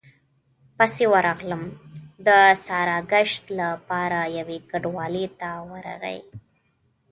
پسې ورغلم، د ساراګشت له پاره يوې کنډوالې ته ورغی،